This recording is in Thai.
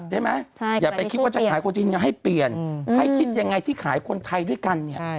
อย่าไปคิดว่าจะขายคนจีนอย่าให้เปลี่ยนให้คิดยังไงที่ขายคนไทยด้วยกันเนี่ย